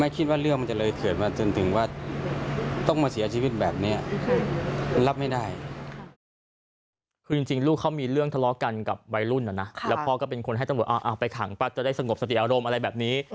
คือจริงลูกเขามีเรื่องทะเลาะกันกับวัยรุ่นนะแล้วพ่อก็เป็นคนให้ตำรวจเอาไปขังปั๊บจะได้สงบสติอารมณ์อะไรแบบนี้